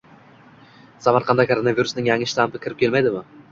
Samarqandda koronavirusning yangi shtammi kirib kelmaydimi?